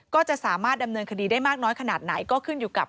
โปรดติดตามต่างกรรมโปรดติดตามต่างกรรม